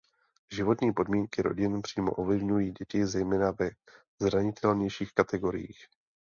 Životní podmínky rodin přímo ovlivňují děti, zejména ve zranitelnějších kategoriích.